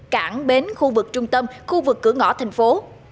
cảng bến khu vực trung tâm khu vực cửa ngõ thành phố